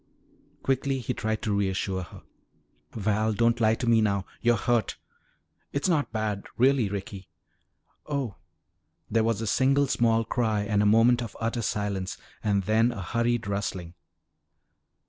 Quickly he tried to reassure her. "Val, don't lie to me now you're hurt!" "It's not bad, really, Ricky " "Oh!" There was a single small cry and a moment of utter silence and then a hurried rustling.